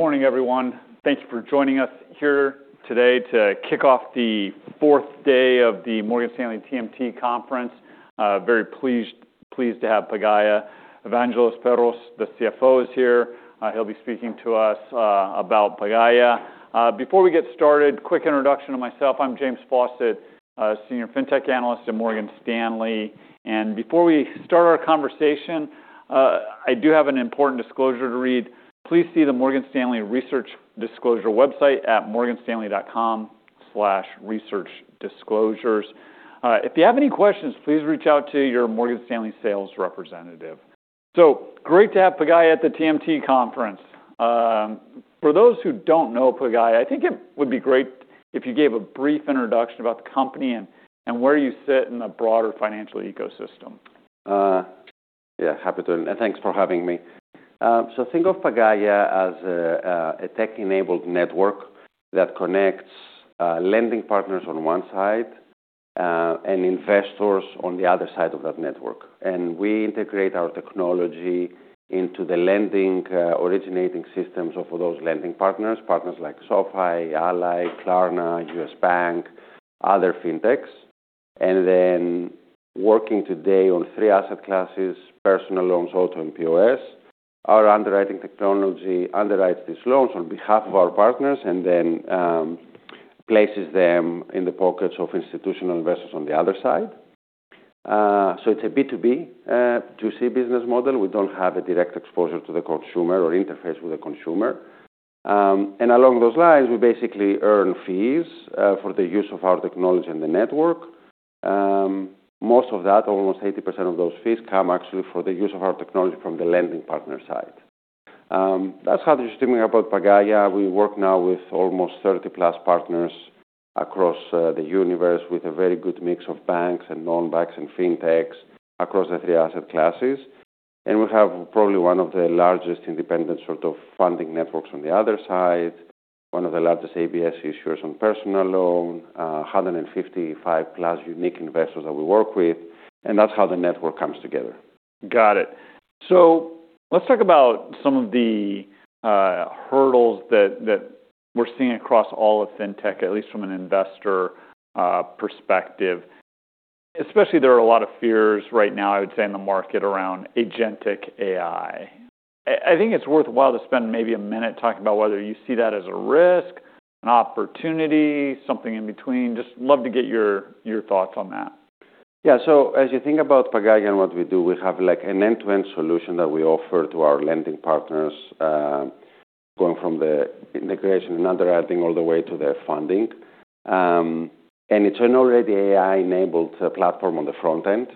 Good morning, everyone. Thank you for joining us here today to kick off the fourth day of the Morgan Stanley TMT Conference. Very pleased to have Pagaya. Evangelos Perros, the CFO, is here. He'll be speaking to us about Pagaya. Before we get started, quick introduction of myself. I'm James Faucette, a senior fintech analyst at Morgan Stanley. Before we start our conversation, I do have an important disclosure to read. Please see the Morgan Stanley Research Disclosure website at morganstanley.com/researchdisclosures. If you have any questions, please reach out to your Morgan Stanley sales representative. Great to have Pagaya at the TMT conference. For those who don't know Pagaya, I think it would be great if you gave a brief introduction about the company and where you sit in the broader financial ecosystem. Yeah, happy to. Thanks for having me. Think of Pagaya as a tech-enabled network that connects lending partners on one side and investors on the other side of that network. We integrate our technology into the lending originating systems of those lending partners like SoFi, Ally, Klarna, U.S. Bank, other Fintechs. Working today on three asset classes, personal loans, auto, and POS. Our underwriting technology underwrites these loans on behalf of our partners and then places them in the pockets of institutional investors on the other side. It's a B2B B2C business model. We don't have a direct exposure to the consumer or interface with the consumer. Along those lines, we basically earn fees for the use of our technology in the network. Most of that, almost 80% of those fees come actually for the use of our technology from the lending partner side. That's how interesting about Pagaya. We work now with almost 30-plus partners across the universe with a very good mix of banks and non-banks and Fintechs across the three asset classes. We have probably one of the largest independent sort of funding networks on the other side, one of the largest ABS issuers on personal loan, 155-plus unique investors that we work with, and that's how the network comes together. Got it. Let's talk about some of the hurdles that we're seeing across all of Fintech, at least from an investor perspective. Especially there are a lot of fears right now, I would say, in the market around agentic AI. I think it's worthwhile to spend maybe a minute talking about whether you see that as a risk, an opportunity, something in between. Just love to get your thoughts on that. As you think about Pagaya and what we do, we have like an end-to-end solution that we offer to our lending partners, going from the integration and underwriting all the way to their funding. It's an already AI-enabled platform on the front end,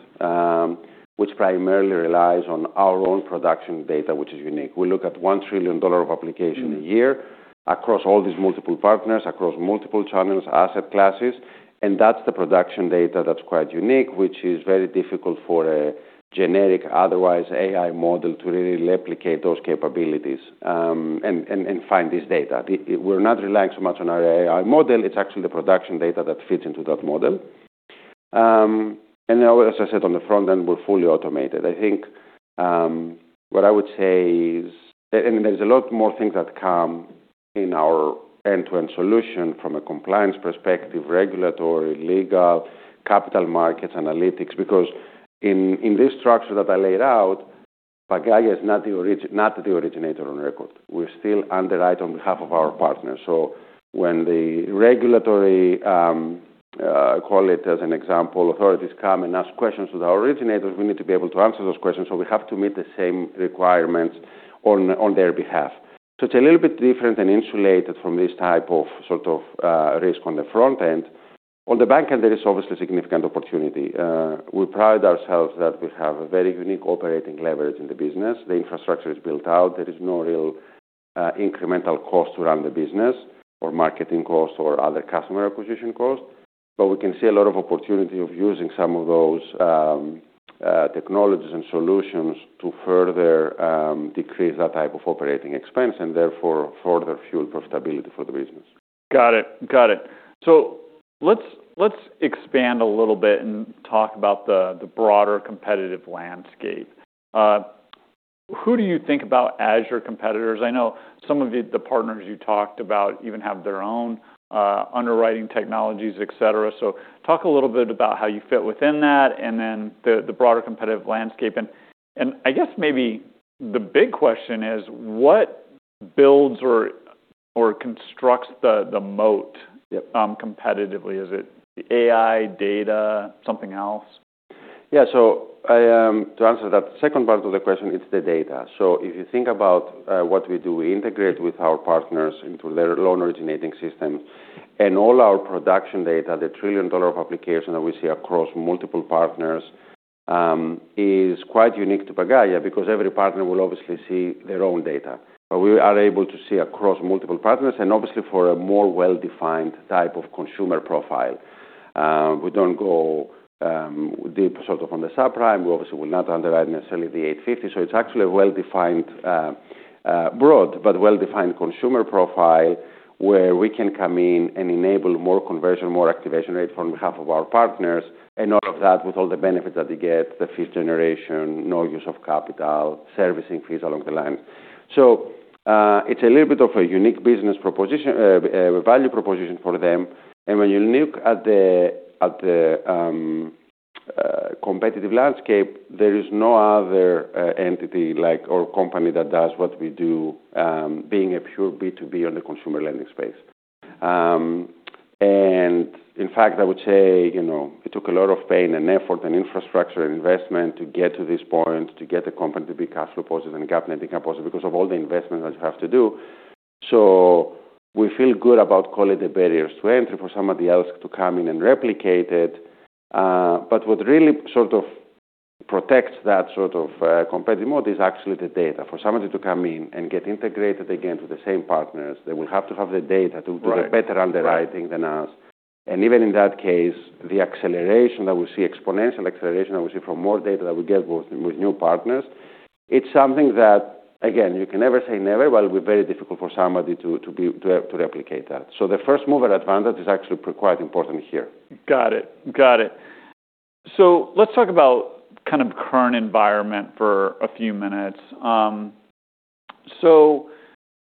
which primarily relies on our own production data, which is unique. We look at $1 trillion of application a year across all these multiple partners, across multiple channels, asset classes, and that's the production data that's quite unique, which is very difficult for a generic otherwise AI model to really replicate those capabilities, and find this data. We're not relying so much on our AI model, it's actually the production data that fits into that model. As I said on the front end, we're fully automated. I think, what I would say is... I mean, there's a lot more things that come in our end-to-end solution from a compliance perspective, regulatory, legal, capital markets, analytics. In this structure that I laid out, Pagaya is not the originator on record. We still underwrite on behalf of our partners. When the regulatory, call it as an example, authorities come and ask questions to the originators, we need to be able to answer those questions, so we have to meet the same requirements on their behalf. It's a little bit different and insulated from this type of sort of, risk on the front end. On the back end, there is obviously significant opportunity. We pride ourselves that we have a very unique operating leverage in the business. The infrastructure is built out. There is no real, incremental cost to run the business or marketing cost or other customer acquisition cost, but we can see a lot of opportunity of using some of those technologies and solutions to further decrease that type of operating expense, and therefore further fuel profitability for the business. Got it. Got it. Let's expand a little bit and talk about the broader competitive landscape. Who do you think about as your competitors? I know some of the partners you talked about even have their own underwriting technologies, etc. Talk a little bit about how you fit within that and then the broader competitive landscape. I guess maybe the big question is what builds or constructs the moat competitively? Is it AI, data, something else? To answer that second part of the question, it's the data. If you think about, what we do, we integrate with our partners into their loan originating system. All our production data, the $1 trillion application that we see across multiple partners, is quite unique to Pagaya because every partner will obviously see their own data. We are able to see across multiple partners and obviously for a more well-defined type of consumer profile. We don't go, deep sort of on the subprime. We obviously will not underwrite necessarily the 850. It's actually a well-defined, broad, but well-defined consumer profile where we can come in and enable more conversion, more activation rate on behalf of our partners, and all of that with all the benefits that they get, the fifth generation, no use of capital, servicing fees along the line. It's a little bit of a unique business proposition, value proposition for them. When you look at the competitive landscape, there is no other entity like or company that does what we do, being a pure B2B on the consumer lending space. In fact, I would say, you know, it took a lot of pain and effort and infrastructure investment to get to this point, to get the company to be cash flow positive and GAAP net income positive because of all the investment that you have to do. We feel good about calling the barriers to entry for somebody else to come in and replicate it. What really sort of protects that sort of competitive mode is actually the data. For somebody to come in and get integrated again to the same partners, they will have to have the data to do better underwriting than us. Even in that case, the acceleration that we see, exponential acceleration that we see from more data that we get both with new partners, it's something that, again, you can never say never, but it will be very difficult for somebody to replicate that. The first mover advantage is actually quite important here. Got it. Got it. Let's talk about kind of current environment for a few minutes.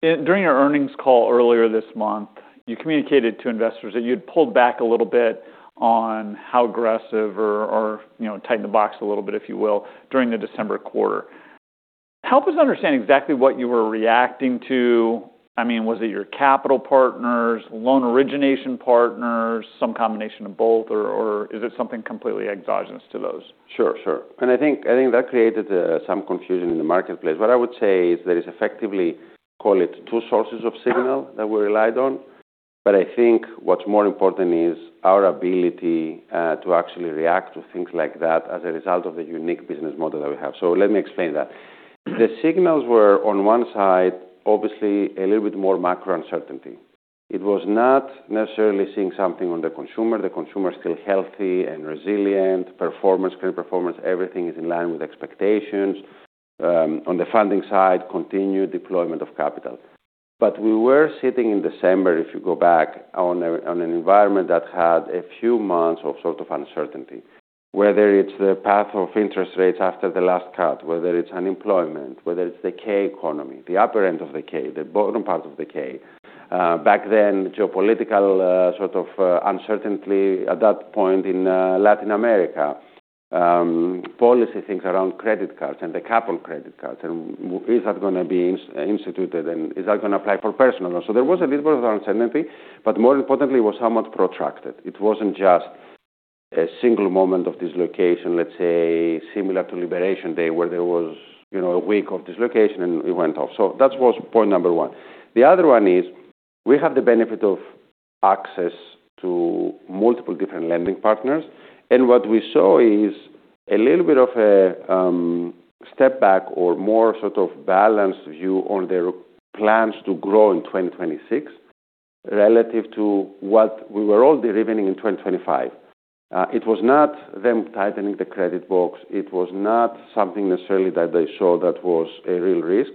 During our earnings call earlier this month, you communicated to investors that you had pulled back a little bit on how aggressive or, you know, tighten the box a little bit, if you will, during the December quarter. Help us understand exactly what you were reacting to. I mean, was it your capital partners, loan origination partners, some combination of both, or is it something completely exogenous to those? Sure. Sure. I think that created some confusion in the marketplace. What I would say is there is effectively, call it two sources of signal that we relied on, but I think what's more important is our ability to actually react to things like that as a result of the unique business model that we have. Let me explain that. The signals were on one side, obviously a little bit more macro uncertainty. It was not necessarily seeing something on the consumer. The consumer is still healthy and resilient. Performance, current performance, everything is in line with expectations. On the funding side, continued deployment of capital. We were sitting in December, if you go back, on an environment that had a few months of sort of uncertainty, whether it's the path of interest rates after the last cut, whether it's unemployment, whether it's the K-shaped economy, the upper end of the K, the bottom part of the K. Back then, geopolitical sort of uncertainty at that point in Latin America. Policy things around credit cards and the couple credit cards, and is that gonna be instituted, and is that gonna apply for personal loans? There was a little bit of uncertainty, but more importantly, it was somewhat protracted. It wasn't just a single moment of dislocation, let's say, similar to Liberation Day, where there was, you know, a week of dislocation, and it went off. That was point number 1. The other one is we have the benefit of access to multiple different lending partners. What we saw is a little bit of a step back or more sort of balanced view on their plans to grow in 2024 relative to what we were all deriving in 2025. It was not them tightening the credit box. It was not something necessarily that they saw that was a real risk.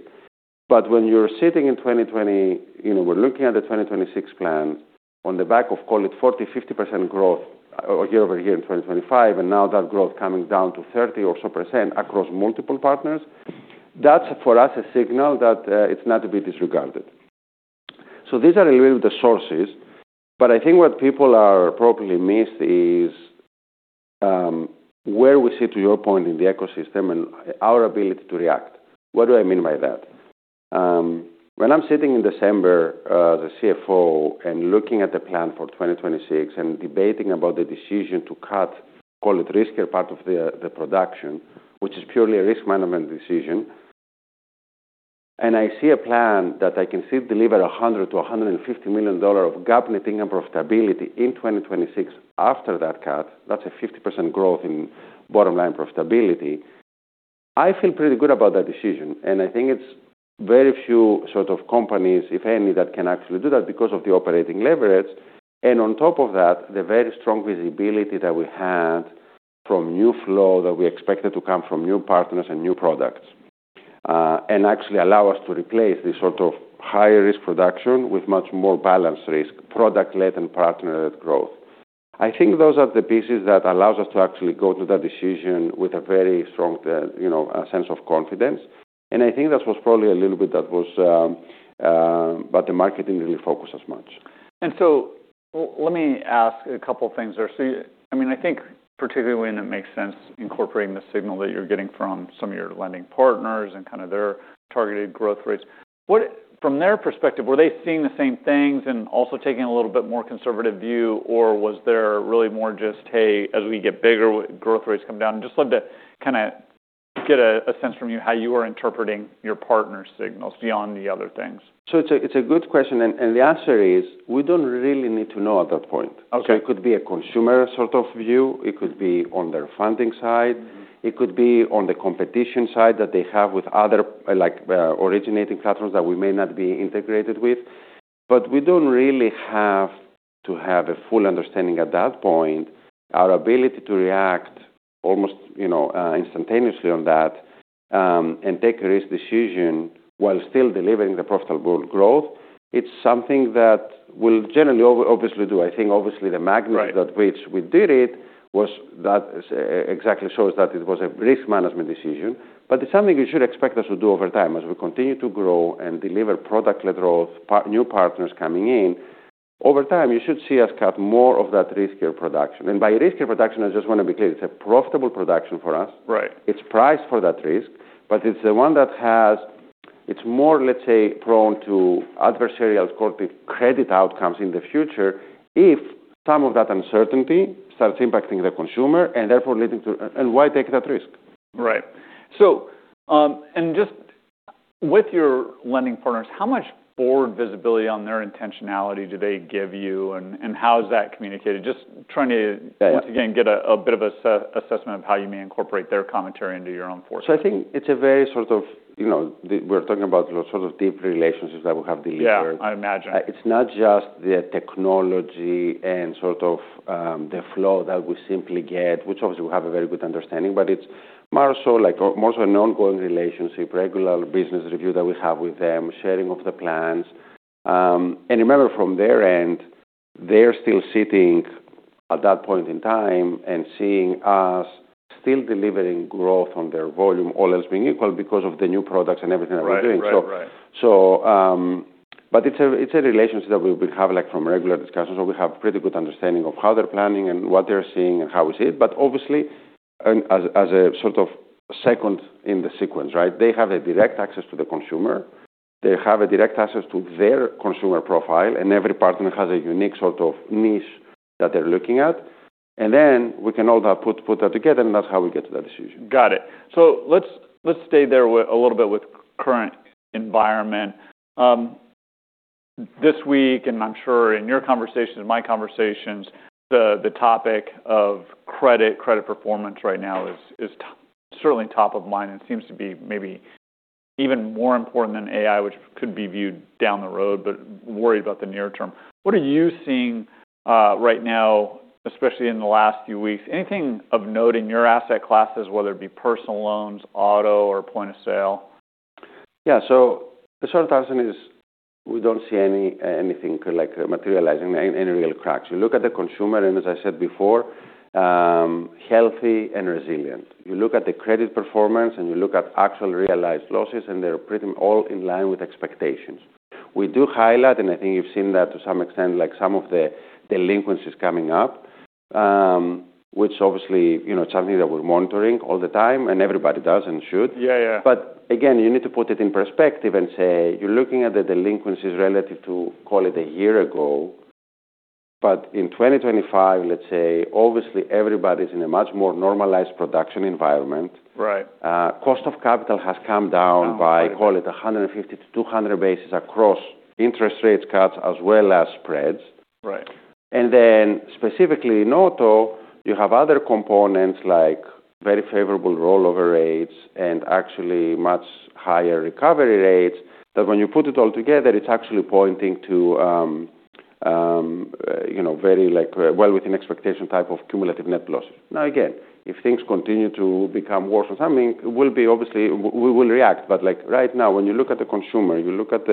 When you're sitting in 2020, you know, we're looking at the 2024 plan on the back of call it 40%, 50% growth year-over-year in 2023, and now that growth coming down to 30% or so across multiple partners, that's for us a signal that it's not to be disregarded. These are a little of the sources, but I think what people are probably missed is, where we sit to your point in the ecosystem and our ability to react. What do I mean by that? When I'm sitting in December, the CFO and looking at the plan for 2024 and debating about the decision to cut, call it riskier part of the production, which is purely a risk management decision, I see a plan that I can still deliver $100 million-$150 million of GAAP net income profitability in 2024 after that cut, that's a 50% growth in bottom line profitability. I feel pretty good about that decision, and I think it's very few sort of companies, if any, that can actually do that because of the operating leverage. On top of that, the very strong visibility that we had from new flow that we expected to come from new partners and new products, and actually allow us to replace this sort of higher risk production with much more balanced risk, product-led and partner-led growth. I think those are the pieces that allows us to actually go to that decision with a very strong, you know, sense of confidence. I think that was probably a little bit that was, but the marketing didn't focus as much. Let me ask a couple of things there. I mean, I think particularly when it makes sense incorporating the signal that you're getting from some of your lending partners and kind of their targeted growth rates. From their perspective, were they seeing the same things and also taking a little bit more conservative view, or was there really more just, hey, as we get bigger, growth rates come down? I just love to kinda get a sense from you how you are interpreting your partner signals beyond the other things. It's a good question. The answer is, we don't really need to know at that point. Okay. It could be a consumer sort of view. It could be on their funding side. It could be on the competition side that they have with other, like, originating platforms that we may not be integrated with. We don't really have to have a full understanding at that point. Our ability to react almost, you know, instantaneously on that, and take a risk decision while still delivering the profitable growth. It's something that we'll generally obviously do. I think obviously the magnitude at which we did it was that exactly shows that it was a risk management decision, but it's something you should expect us to do over time as we continue to grow and deliver product-led growth, new partners coming in. Over time, you should see us cut more of that riskier production. By riskier production, I just want to be clear, it's a profitable production for us. Right. It's priced for that risk, but it's more, let's say, prone to adversarial credit outcomes in the future if some of that uncertainty starts impacting the consumer, and therefore leading to. Why take that risk? Right. just with your lending partners, how much forward visibility on their intentionality do they give you, and how is that communicated? Just trying to once again get a bit of assessment of how you may incorporate their commentary into your own forecast. I think it's a very sort of, you know, we're talking about sort of deep relationships that we have delivered. Yeah, I imagine. It's not just the technology and sort of, the flow that we simply get, which obviously we have a very good understanding, but it's more so an ongoing relationship, regular business review that we have with them, sharing of the plans. Remember from their end, they're still sitting at that point in time and seeing us still delivering growth on their volume, all else being equal, because of the new products and everything that we're doing. Right. Right. Right. But it's a, it's a relationship that we have, like, from regular discussions, so we have pretty good understanding of how they're planning and what they're seeing and how we see it. Obviously, and as a sort of second in the sequence, right? They have a direct access to the consumer. They have a direct access to their consumer profile, and every partner has a unique sort of niche that they're looking at. Then we can all that put that together, and that's how we get to that decision. Got it. Let's stay there with a little bit with current environment. This week, and I'm sure in your conversations, my conversations, the topic of credit performance right now is certainly top of mind, and seems to be maybe even more important than AI, which could be viewed down the road, but worried about the near term. What are you seeing right now, especially in the last few weeks? Anything of note in your asset classes, whether it be personal loans, auto or point-of-sale? Yeah. The short answer is we don't see anything like materializing, any real cracks. You look at the consumer, as I said before, healthy and resilient. You look at the credit performance, you look at actual realized losses, they're pretty all in line with expectations. We do highlight, I think you've seen that to some extent, like some of the delinquencies coming up, which obviously, you know, something that we're monitoring all the time, and everybody does and should. Yeah. Yeah. Again, you need to put it in perspective and say you're looking at the delinquencies relative to, call it, a year ago. In 2025, let's say, obviously everybody's in a much more normalized production environment. Right. cost of capital has come down by, call it, 150-200 basis across interest rates cuts as well as spreads. Right. Specifically in auto, you have other components like very favorable rollover rates and actually much higher recovery rates that when you put it all together, it's actually pointing to, you know, very like well within expectation type of cumulative net losses. Again, if things continue to become worse or something, we'll be obviously, we will react. Like right now, when you look at the consumer, you look at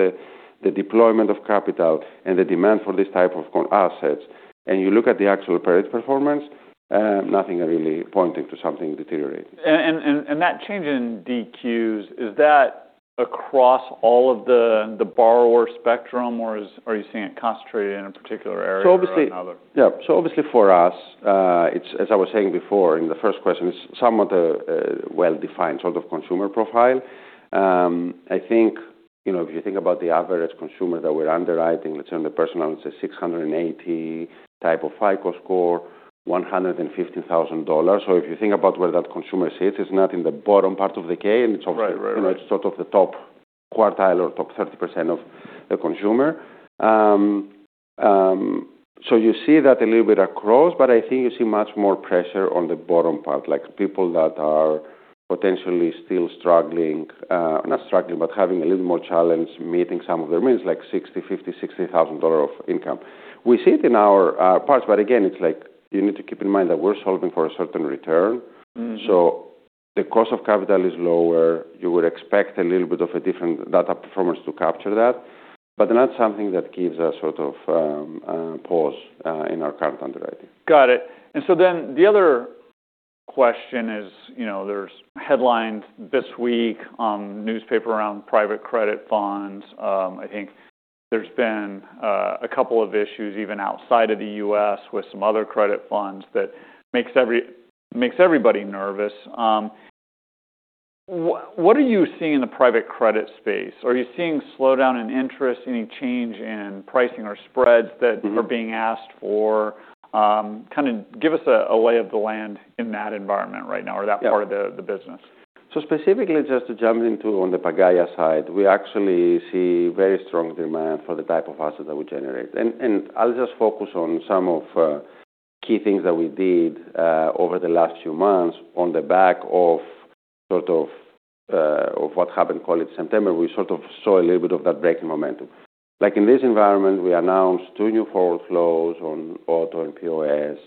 the deployment of capital and the demand for this type of assets, and you look at the actual credit performance, nothing really pointing to something deteriorating. That change in DQs, is that across all of the borrower spectrum, or are you seeing it concentrated in a particular area or another? Yeah. Obviously for us, it's as I was saying before in the first question, it's somewhat well-defined sort of consumer profile. I think, you know, if you think about the average consumer that we're underwriting, let's say on the personal, it's a 680 type of FICO score, $150,000. If you think about where that consumer sits, it's not in the bottom part of the K, and it's obviously- Right. Right. Right. You know, it's sort of the top quartile or top 30% of the consumer. You see that a little bit across, I think you see much more pressure on the bottom part, like people that are potentially still struggling, not struggling, but having a little more challenge meeting some of their needs, like $60,000, $50,000, $60,000 of income. We see it in our parts, again, it's like you need to keep in mind that we're solving for a certain return. Mm-hmm. The cost of capital is lower. You would expect a little bit of a different data performance to capture that, but not something that gives us sort of, pause, in our current underwriting. Got it. The other question is, you know, there's headlines this week on newspaper around private credit funds. I think there's been a couple of issues even outside of the U.S. with some other credit funds that makes everybody nervous. What are you seeing in the private credit space? Are you seeing slowdown in interest, any change in pricing or spreads that are being asked for? Kinda give us a lay of the land in that environment right now or that part of the business. Specifically, just to jump into on the Pagaya side, we actually see very strong demand for the type of assets that we generate. I'll just focus on some of key things that we did over the last few months on the back of sort of of what happened, call it, September. We sort of saw a little bit of that breaking momentum. Like in this environment, we announced 2 new forward flows on auto and POS.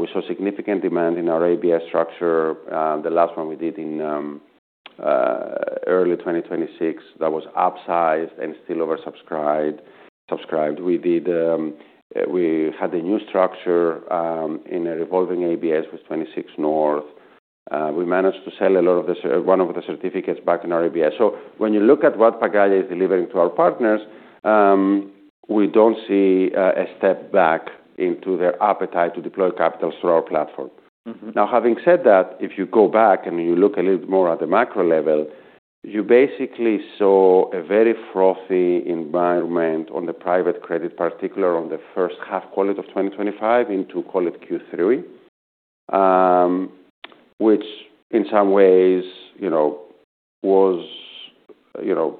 We saw significant demand in our ABS structure. The last one we did in early 2026, that was upsized and still oversubscribed. We did, we had a new structure in a revolving ABS with 26North. We managed to sell a lot of one of the certificates back in our ABS. When you look at what Pagaya is delivering to our partners, we don't see a step back into their appetite to deploy capital through our platform. Mm-hmm. Having said that, if you go back and you look a little bit more at the macro level, you basically saw a very frothy environment on the private credit, particular on the first half call it of 2025 into call it Q3, which in some ways, you know, was, you know,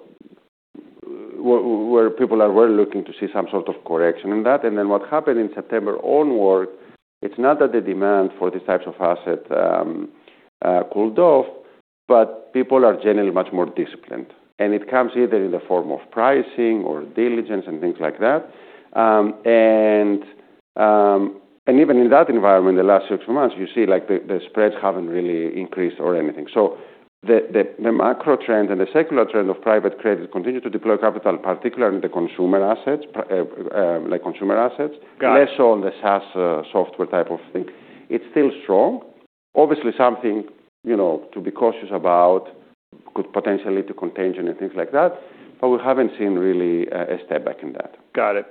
where people are, were looking to see some sort of correction in that. What happened in September onward, it's not that the demand for these types of asset cooled off, but people are generally much more disciplined. It comes either in the form of pricing or diligence and things like that. Even in that environment in the last six months, you see like the spreads haven't really increased or anything. The macro trend and the secular trend of private credit continue to deploy capital, particularly in the consumer assets, like consumer assets. Got it. Less so on the SaaS, software type of thing. It's still strong. Obviously, something, you know, to be cautious about could potentially lead to contagion and things like that, but we haven't seen really a step back in that. Got it.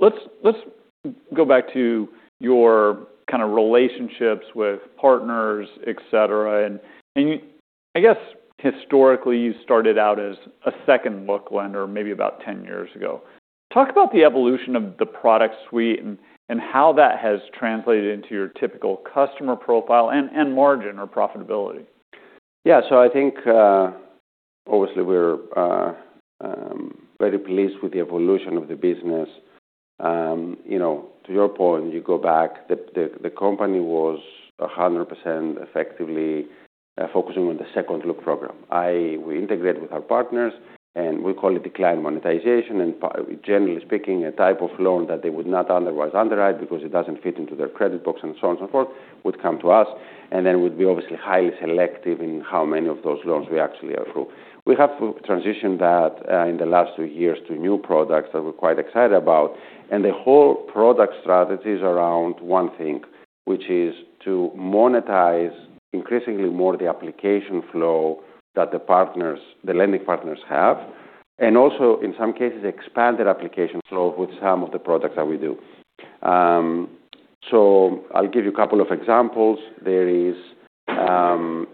Let's go back to your kind of relationships with partners, et cetera. You I guess historically you started out as a second look lender maybe about 10 years ago. Talk about the evolution of the product suite and how that has translated into your typical customer profile and margin or profitability. Yeah. I think, obviously we're very pleased with the evolution of the business. You know, to your point, you go back, the company was 100% effectively focusing on the second look program. We integrate with our partners, and we call it Decline Monetization. Generally speaking, a type of loan that they would not otherwise underwrite because it doesn't fit into their credit box and so on and so forth, would come to us, and then we'd be obviously highly selective in how many of those loans we actually approve. We have transitioned that in the last 2 years to new products that we're quite excited about. The whole product strategy is around one thing, which is to monetize increasingly more the application flow that the partners, the lending partners have, and also in some cases expand their application flow with some of the products that we do. I'll give you a couple of examples. There is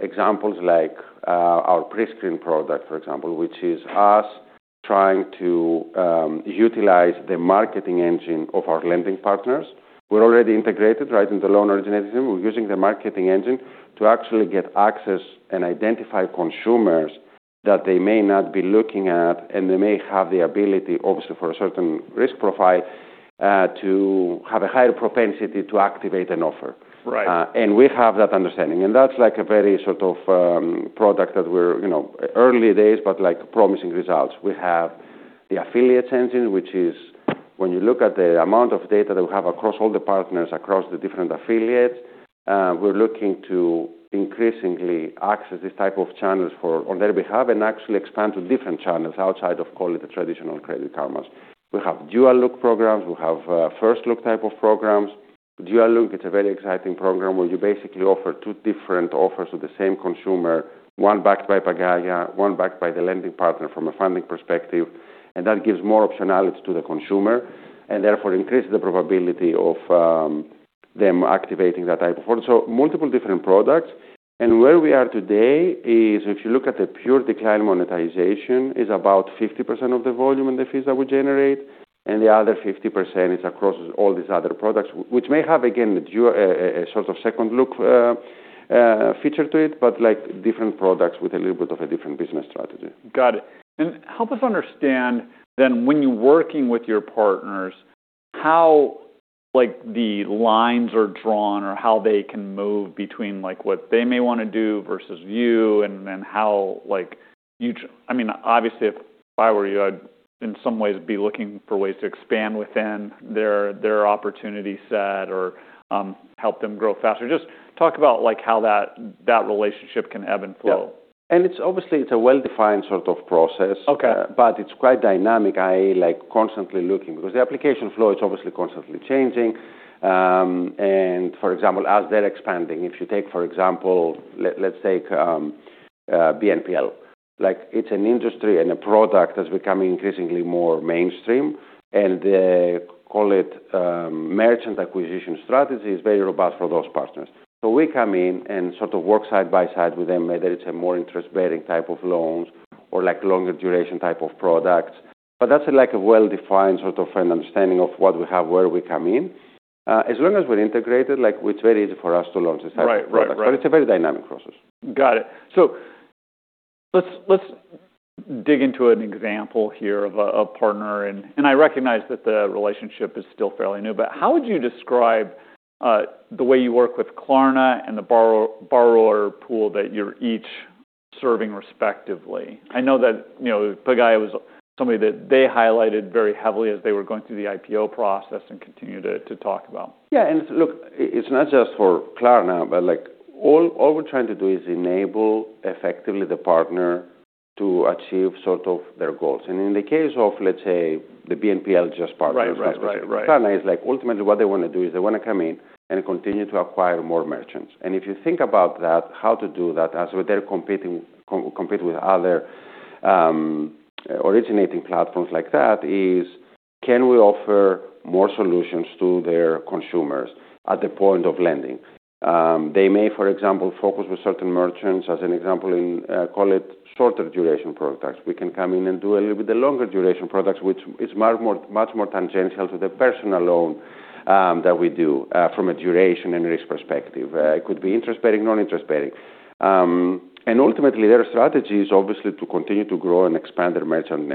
examples like our Pre-Screen product, for example, which is us trying to utilize the marketing engine of our lending partners. We're already integrated right in the loan origin system. We're using the marketing engine to actually get access and identify consumers that they may not be looking at, and they may have the ability, obviously, for a certain risk profile, to have a higher propensity to activate an offer. Right. We have that understanding, and that's like a very sort of product that we're, you know, early days but like promising results. We have the Affiliate Optimizer Engine, which is when you look at the amount of data that we have across all the partners, across the different affiliates, we're looking to increasingly access these type of channels on their behalf and actually expand to different channels outside of call it the traditional Credit Karma. We have Dual Look programs. We have First Look type of programs. Dual Look, it's a very exciting program where you basically offer two different offers to the same consumer, one backed by Pagaya, one backed by the lending partner from a funding perspective, and that gives more optionality to the consumer and therefore increases the probability of them activating that type of offer. Multiple different products. Where we are today is if you look at the pure Decline Monetization is about 50% of the volume and the fees that we generate, and the other 50% is across all these other products, which may have again a Dual Look, a sort of second look feature to it, but like different products with a little bit of a different business strategy. Got it. Help us understand then when you're working with your partners, how like the lines are drawn or how they can move between like what they may wanna do versus you and how like I mean, obviously, if I were you, I'd in some ways be looking for ways to expand within their opportunity set or help them grow faster? Just talk about like how that relationship can ebb and flow. Yeah. It's obviously it's a well-defined sort of process. Okay. It's quite dynamic. I like constantly looking because the application flow is obviously constantly changing. For example, as they're expanding, if you take for example, let's take BNPL. Like it's an industry and a product that's becoming increasingly more mainstream, and they call it, merchant acquisition strategy is very robust for those partners. We come in and sort of work side by side with them, whether it's a more interest bearing type of loans or like longer duration type of products. That's like a well-defined sort of an understanding of what we have, where we come in. As long as we're integrated, like it's very easy for us to launch this type of product. Right. Right. Right. It's a very dynamic process. Got it. Let's dig into an example here of a partner and I recognize that the relationship is still fairly new, but how would you describe the way you work with Klarna and the borrower pool that you're each serving respectively? I know that, you know, Pagaya was somebody that they highlighted very heavily as they were going through the IPO process and continue to talk about. Yeah. Look, it's not just for Klarna, but like all we're trying to do is enable effectively the partner to achieve sort of their goals. In the case of, let's say, the BNPL just. Right. Right. Right.... is not specific. The plan is, ultimately, what they want to do is they want to come in and continue to acquire more merchants. If you think about that, how to do that as they're competing with other originating platforms like that, is can we offer more solutions to their consumers at the point of lending? They may, for example, focus with certain merchants as an example in call it shorter duration products. We can come in and do a little bit of longer duration products, which is much more, much more tangential to the personal loan that we do from a duration and risk perspective. It could be interest-bearing, non-interest bearing. Ultimately, their strategy is obviously to continue to grow and expand their merchant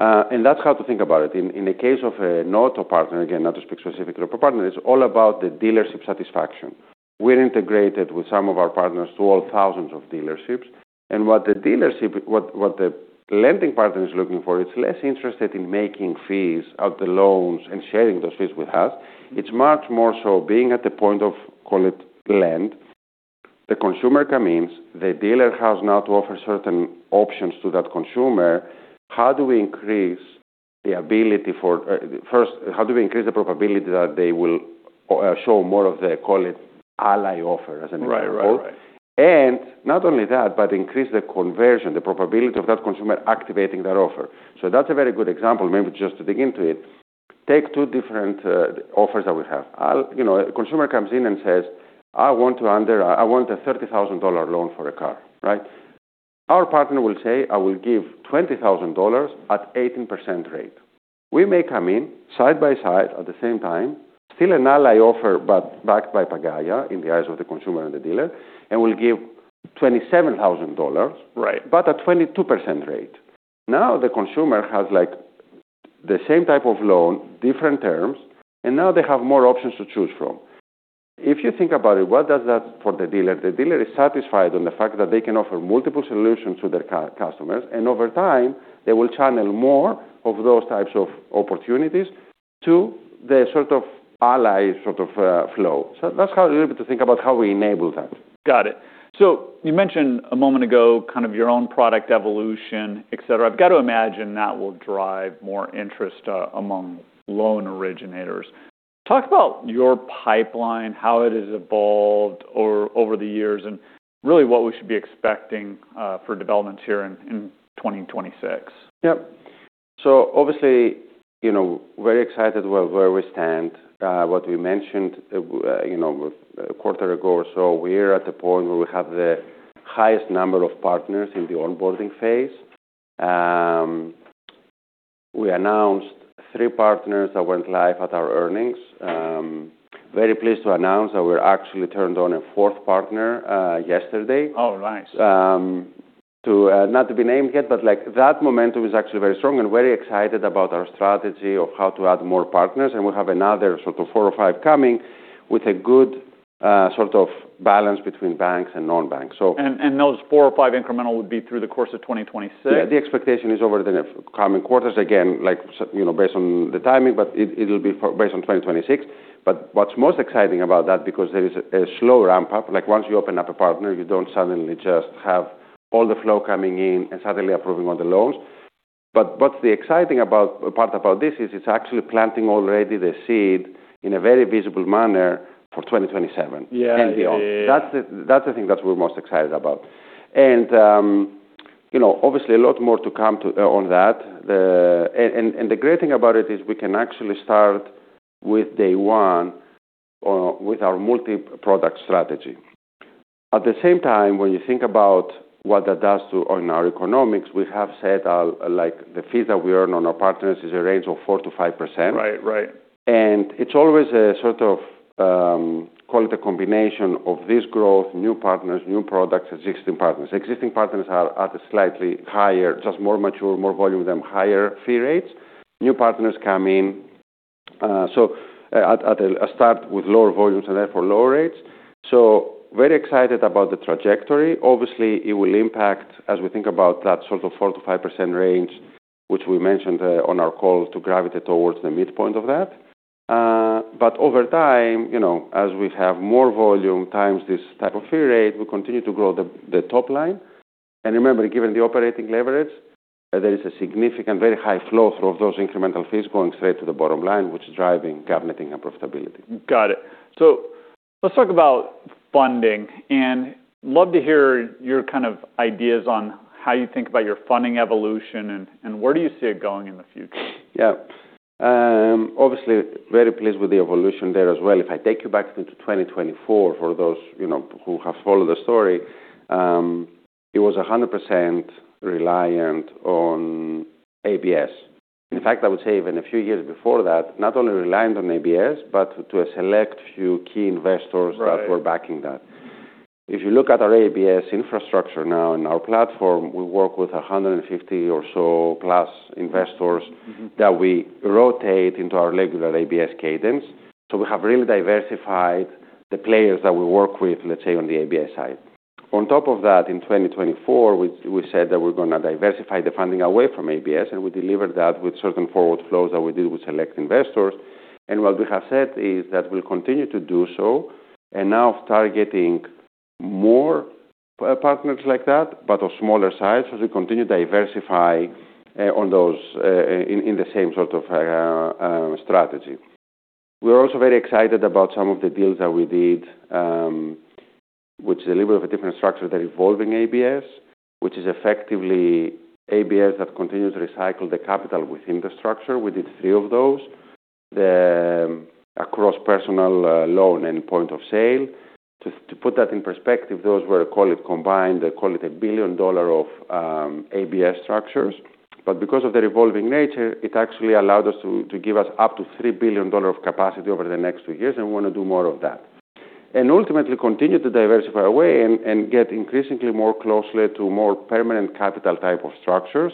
network. That's how to think about it. In the case of an auto partner, again, not to speak specifically about partner, it's all about the dealership satisfaction. We're integrated with some of our partners to all thousands of dealerships. What the lending partner is looking for, it's less interested in making fees out the loans and sharing those fees with us. It's much more so being at the point of, call it, lend. The consumer comes in, the dealer has now to offer certain options to that consumer. How do we increase the ability for, how do we increase the probability that they will show more of the, call it, Ally offer as an example? Right. Right. Right. Not only that, but increase the conversion, the probability of that consumer activating that offer. That's a very good example. Maybe just to dig into it, take two different offers that we have. You know, a consumer comes in and says, "I want a $30,000 loan for a car." Right? Our partner will say, "I will give $20,000 at 18% rate." We may come in side by side at the same time, still an Ally offer, but backed by Pagaya in the eyes of the consumer and the dealer, and we'll give $27,000... Right. A 22% rate. The consumer has, like, the same type of loan, different terms, and now they have more options to choose from. If you think about it, what does that for the dealer? The dealer is satisfied on the fact that they can offer multiple solutions to their customers, and over time, they will channel more of those types of opportunities to the sort of Ally, sort of, flow. That's how a little bit to think about how we enable that. Got it. You mentioned a moment ago kind of your own product evolution, et cetera. I've got to imagine that will drive more interest among loan originators. Talk about your pipeline, how it has evolved over the years, and really what we should be expecting for developments here in 2026? Yep. Obviously, you know, very excited where we stand. What we mentioned, you know, a quarter ago or so, we're at the point where we have the highest number of partners in the onboarding phase. We announced three partners that went live at our earnings. Very pleased to announce that we actually turned on a fourth partner yesterday. Oh, nice. to, not to be named yet, but, like, that momentum is actually very strong and very excited about our strategy of how to add more partners. We have another sort of 4 or 5 coming with a good, sort of balance between banks and non-banks. And those four or five incremental would be through the course of 2026? Yeah. The expectation is over the next coming quarters. Again, like, you know, based on the timing, but it will be based on 2026. What's most exciting about that, because there is a slow ramp-up, like once you open up a partner, you don't suddenly just have all the flow coming in and suddenly approving all the loans. What's the exciting part about this is it's actually planting already the seed in a very visible manner for 2025. Yeah. Yeah. Yeah. Beyond. That's the thing that we're most excited about. you know, obviously a lot more to come on that. The great thing about it is we can actually start with day one with our multi-product strategy. At the same time, when you think about what that does on our economics, we have said, like the fees that we earn on our partners is a range of 4%-5%. Right. Right. It's always a sort of, call it a combination of this growth, new partners, new products, existing partners. Existing partners are at a slightly higher, just more mature, more volume than higher fee rates. New partners come in, so at a start with lower volumes and therefore lower rates. Very excited about the trajectory. Obviously, it will impact as we think about that sort of 4%-5% range, which we mentioned on our call to gravitate towards the midpoint of that. Over time, you know, as we have more volume times this type of fee rate, we continue to grow the top line. Remember, given the operating leverage, there is a significant, very high flow through of those incremental fees going straight to the bottom line, which is driving, governing, and profitability. Got it. Let's talk about funding, and love to hear your kind of ideas on how you think about your funding evolution and where do you see it going in the future? Yeah. Obviously very pleased with the evolution there as well. If I take you back into 2022, for those, you know, who have followed the story, it was 100% reliant on ABS. In fact, I would say even a few years before that, not only reliant on ABS, but to a select few key investors. Right. that were backing that. If you look at our ABS infrastructure now in our platform, we work with 150 or so plus investors. Mm-hmm. that we rotate into our regular ABS cadence. We have really diversified the players that we work with, let's say, on the ABS side. On top of that, in 2024, we said that we're gonna diversify the funding away from ABS, and we delivered that with certain forward flows that we did with select investors. What we have said is that we'll continue to do so, and now targeting more partners like that, but of smaller size, as we continue to diversify on those in the same sort of strategy. We're also very excited about some of the deals that we did which deliver of a different structure, revolving ABS, which is effectively ABS that continues to recycle the capital within the structure. We did three of those. The across personal loan and point of sale. To put that in perspective, those were call it combined, call it $1 billion of ABS structures. Because of the revolving nature, it actually allowed us to give us up to $3 billion of capacity over the next 2 years, and we wanna do more of that. Ultimately continue to diversify away and get increasingly more closely to more permanent capital type of structures,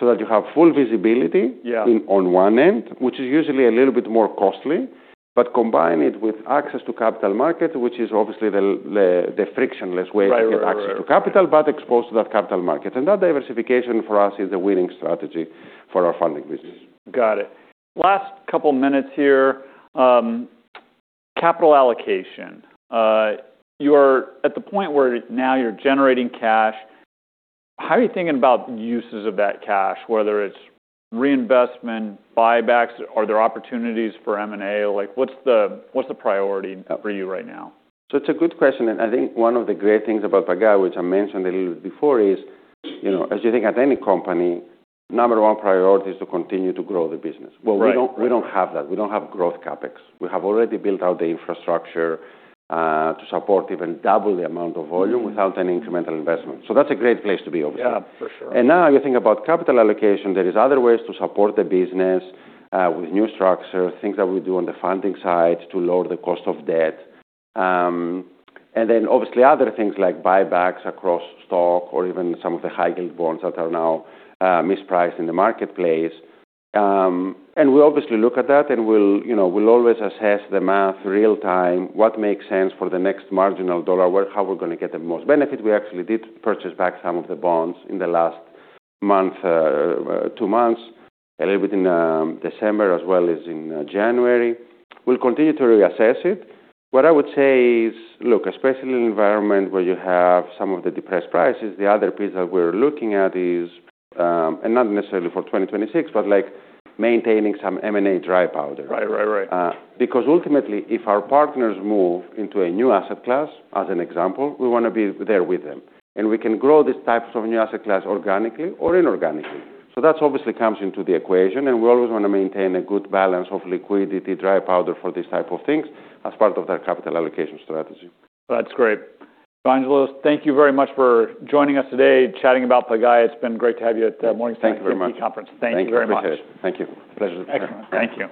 so that you have full visibility... Yeah. On one end, which is usually a little bit more costly, but combine it with access to capital market, which is obviously the frictionless way. Right, right. to get access to capital, but exposed to that capital market. That diversification for us is the winning strategy for our funding business. Got it. Last couple minutes here. capital allocation. you're at the point where now you're generating cash. How are you thinking about uses of that cash, whether it's reinvestment, buybacks? Are there opportunities for M&A? Like, what's the priority for you right now? It's a good question, and I think one of the great things about Pagaya, which I mentioned a little bit before, is, you know, as you think at any company, number one priority is to continue to grow the business. Well, right. We don't have that. We don't have growth CapEx. We have already built out the infrastructure to support even double the amount of volume without any incremental investment. That's a great place to be, obviously. Yeah, for sure. Now you think about capital allocation, there is other ways to support the business, with new structure, things that we do on the funding side to lower the cost of debt. Then obviously other things like buybacks across stock or even some of the high yield bonds that are now mispriced in the marketplace. We obviously look at that, and we'll, you know, we'll always assess the math real time, what makes sense for the next marginal dollar, how we're gonna get the most benefit. We actually did purchase back some of the bonds in the last month, two months, a little bit in December as well as in January. We'll continue to reassess it. What I would say is, look, especially in an environment where you have some of the depressed prices, the other piece that we're looking at is, and not necessarily for 2026, but like maintaining some M&A dry powder. Right. Right. Right. Because ultimately, if our partners move into a new asset class, as an example, we wanna be there with them. We can grow these types of new asset class organically or inorganically. That obviously comes into the equation, and we always wanna maintain a good balance of liquidity, dry powder for these type of things as part of their capital allocation strategy. That's great. Evangelos, thank you very much for joining us today, chatting about Pagaya. It's been great to have you at the Morgan Stanley. Thank you very much. Investment Conference. Thank you very much. Thank you. Appreciate it. Thank you. Pleasure. Excellent. Thank you.